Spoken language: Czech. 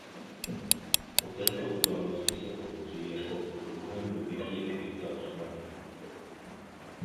O této události se hovoří jako o druhém dobytí Egypta Osmany.